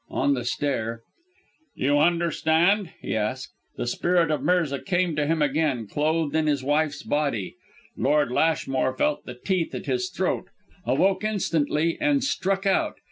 On the stair: "You understand?" he asked. "The spirit of Mirza came to him again, clothed in his wife's body. Lord Lashmore felt the teeth at his throat, awoke instantly and struck out.